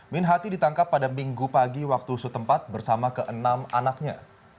min hati ditangkap pada minggu pagi waktu setempat bersama ke enam anaknya